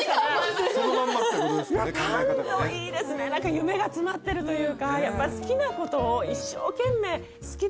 夢が詰まってるというか。